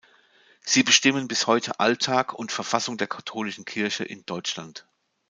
Sie bestimmen bis heute Alltag und Verfassung der katholischen Kirche in Deutschland.